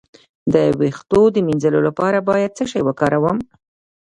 د ویښتو د مینځلو لپاره باید څه شی وکاروم؟